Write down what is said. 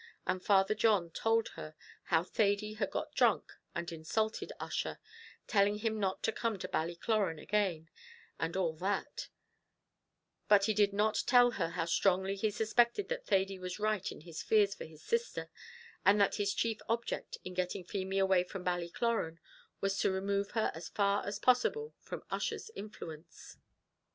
And Father John told her how Thady had got drunk, and insulted Ussher, telling him not to come to Ballycloran again, and all that: but he did not tell her how strongly he suspected that Thady was right in his fears for his sister, and that his chief object in getting Feemy away from Ballycloran was to remove her as far as possible from Ussher's influence.